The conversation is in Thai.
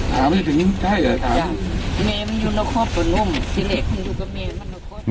ถามเขาถึงใช่เหรอ